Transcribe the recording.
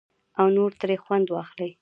او نور ترې خوند واخلي.